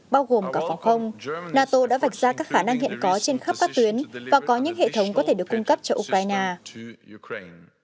bao gồm cả phòng không nato đã vạch ra các khả năng hiện có trên khắp các tuyến và có những hệ thống có thể được cung cấp cho ukraine